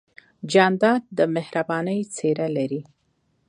جانداد د مهربانۍ څېرہ لري.